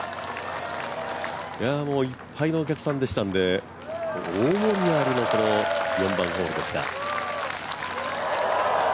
いっぱいのお客さんでしたんで大盛り上がりの４番ホールでした。